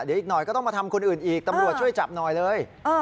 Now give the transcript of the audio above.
เดี๋ยวอีกหน่อยก็ต้องมาทำคนอื่นอีกตำรวจช่วยจับหน่อยเลย